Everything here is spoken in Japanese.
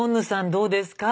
どうですか？